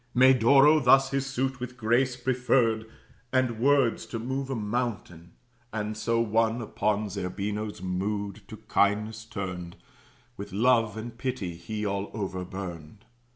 Medoro thus his suit, with grace, preferred, And words to move a mountain; and so won Upon Zerbino's mood, to kindness turned, With love and pity he all over burned.